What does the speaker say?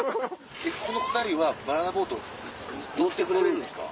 この２人はバナナボート乗ってくれるんですか？